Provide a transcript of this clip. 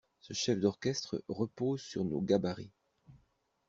Ce chef d'orchestre repose sur nos gabarits!